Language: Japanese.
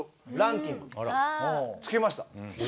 つけました。